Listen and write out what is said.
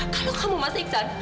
kalau kamu masih ikhsan